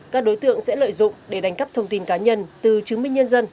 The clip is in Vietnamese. các đối tượng sẽ lợi dụng để đánh cắp thông tin cá nhân từ chứng minh nhân dân